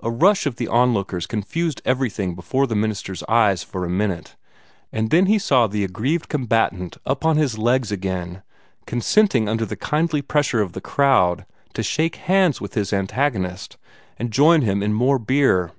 A rush of the onlookers confused everything before the minister's eyes for a minute, and then he saw the aggrieved combatant up on his legs again, consenting under the kindly pressure of the crowd to shake hands with his antagonist, and join him in more beer.